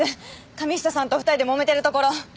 神下さんと２人でもめてるところ。